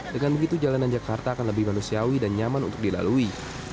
dengan begitu jalanan jakarta akan lebih manusiawi dan nyaman untuk dilalui